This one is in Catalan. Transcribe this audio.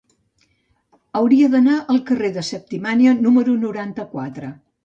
Hauria d'anar al carrer de Septimània número noranta-quatre.